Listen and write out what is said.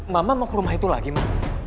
mama mau ke rumah itu lagi mak